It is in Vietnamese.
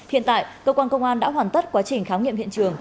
hiện tại cơ quan công an đã hoàn tất quá trình khám nghiệm hiện trường